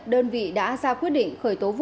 đơn vị đã ra quyết định khởi tố vụ